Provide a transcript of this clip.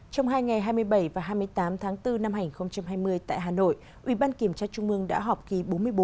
trong hai ngày hai mươi bảy và hai mươi tám tháng bốn năm hai nghìn hai mươi tại hà nội ubnd đã họp kỳ bốn mươi bốn